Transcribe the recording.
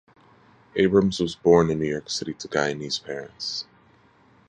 Abrams was born in New York City to Guyanese parents.